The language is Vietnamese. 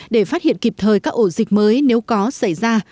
để phát hiện kịp thời các ổ dịch mới nếu có xảy ra